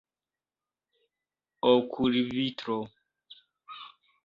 okulvitro